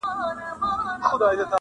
او لوستل کيږي بيا بيا،